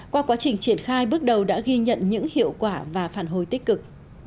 qua quá trình triển khai bước đầu đã ghi nhận những hiệu quả và phản hồi tích cực